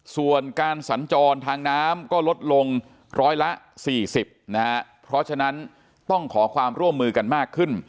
ส่วนการสัญจรทางน้ำก็ลดลงร้อยละ๔๐นะฮะเพราะฉะนั้นต้องขอความร่วมมือกันมากขึ้น